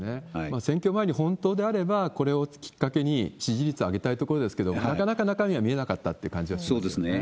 選挙前に本当であれば、これをきっかけに支持率を上げたいところですけれども、なかなか中身が見えなかったって感じがしますね。